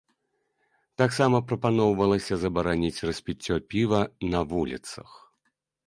Таксама прапаноўвалася забараніць распіццё піва на вуліцах.